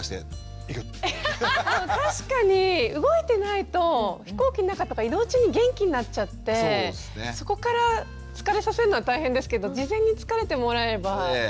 確かに動いてないと飛行機の中とか移動中に元気になっちゃってそこから疲れさせるのは大変ですけど事前に疲れてもらえれば。